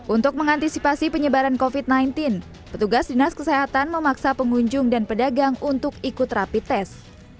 untuk mengantisipasi penyebaran covid sembilan belas petugas dinas kesehatan memaksa pengunjung dan pedagang untuk ikut rapi tes